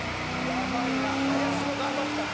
林も頑張ったな。